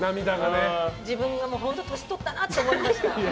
自分が本当年取ったなと思いました。